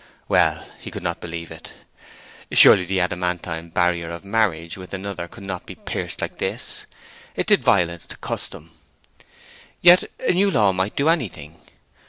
Well, he could not believe it. Surely the adamantine barrier of marriage with another could not be pierced like this! It did violence to custom. Yet a new law might do anything.